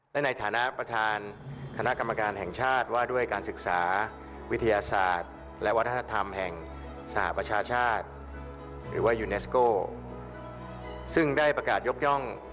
มควิทยาศาสตร์และวัฒนธรรมแห่งสหปัชฌาชาติหรือว่ายูเนสโกซึ่งได้ประกาศยกย่อง